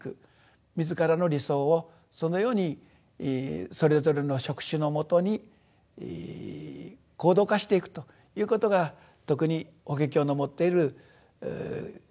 自らの理想をそのようにそれぞれの職種のもとに行動化していくということが特に法華経の持っている生き方ではないかと。